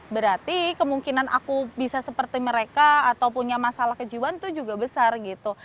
berarti kemungkinan aku bisa seperti mereka atau punya masalah kejiwaan itu juga besar gitu